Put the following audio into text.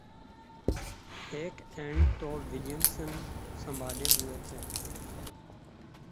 ایک اینڈ تو ولیمسن سنبھالے ہوئے تھے